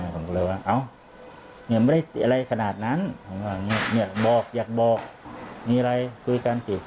ผมก็เลยว่าเอ้าเนี่ยไม่ได้อะไรขนาดนั้นผมว่าอยากบอกอยากบอกมีอะไรคุยกันสิ